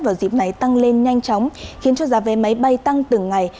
vào dịp này tăng lên nhanh chóng khiến cho giá vé máy bay tăng từng ngày